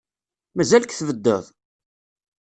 Mazal-k tbeddeḍ?